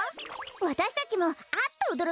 わたしたちもあっとおどろく